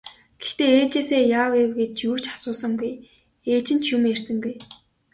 Гэхдээ ээжээсээ яав ийв гэж юу ч асуусангүй, ээж нь ч юм ярьсангүй.